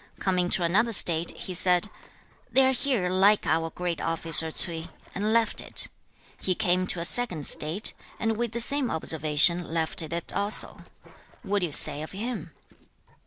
Coming to another State, he said, "They are here like our great officer, Ch'ui," and left it. He came to a second State, and with the same observation left it also; what do you say of him?'